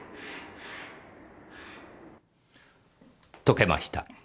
解けました。